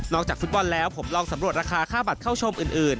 จากฟุตบอลแล้วผมลองสำรวจราคาค่าบัตรเข้าชมอื่น